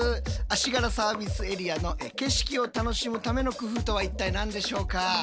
足柄サービスエリアの景色を楽しむための工夫とは一体何でしょうか？